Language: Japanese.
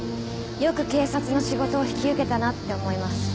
よく警察の仕事を引き受けたなって思います。